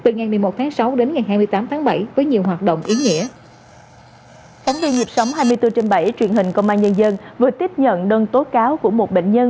các truyền hình công an nhân dân vừa tiếp nhận đơn tố cáo của một bệnh nhân